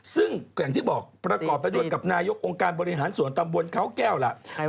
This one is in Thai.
ซึ่งอย่างที่บอกประกอบไปด้วยกับนายกองค์การบริหารส่วนตำบลเขาแก้วล่ะ